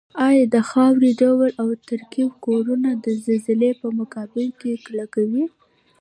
ایا د خاورې ډول او ترکیب کورنه د زلزلې په مقابل کې کلکوي؟